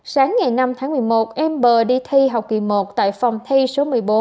sáng ngày năm tháng một mươi một em bờ đi thi học kỳ một tại phòng thi số một mươi bốn